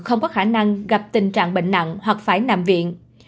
không có khả năng gặp tình trạng bệnh nặng hoặc phải nằm viện